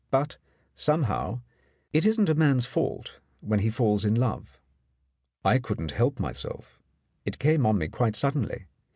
But, somehow, it isn't a man's fault when he falls in love. I couldn't help myself; it came on me quite suddenly.